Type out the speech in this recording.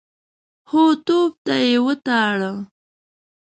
هو، توپ ته يې وتاړه.